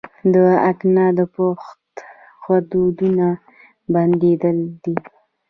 د اکنه د پوست غدودونو بندېدل دي.